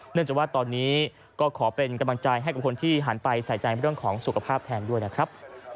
เนื่องจากว่าตอนนี้ก็ขอเป็นกำลังใจให้กับคนที่หันไปใส่ใจเรื่องของสุขภาพแทนด้วยนะครับ